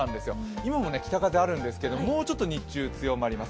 今も北風あるんですけれども、もうちょっと日中強まります。